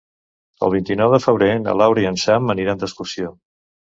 El vint-i-nou de febrer na Laura i en Sam aniran d'excursió.